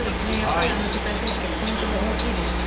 世界選手権はポイントも大きいですし